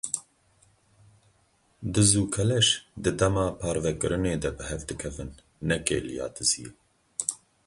Diz û keleş di dema parvekirinê de bi hev dikevin, ne kêliya diziyê.